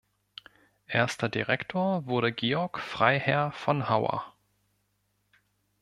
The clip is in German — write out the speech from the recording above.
Erster Direktor wurde Georg Freiherr von Hauer.